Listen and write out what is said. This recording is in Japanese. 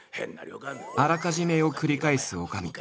「あらかじめ」を繰り返す女将。